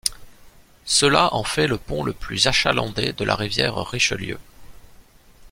Cela en fait le pont le plus achalandé de la rivière Richelieu.